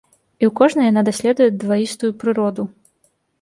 І ў кожнай яна даследуе дваістую прыроду.